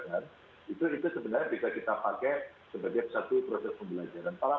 itu sebenarnya bisa kita pakai sebagai satu proses pembelajaran